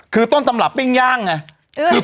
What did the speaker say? คือต้นตำรับปิ้งย่างไง